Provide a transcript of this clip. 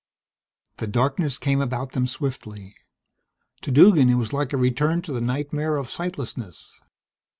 The darkness came about them swiftly. To Duggan it was like a return to the nightmare of sightlessness.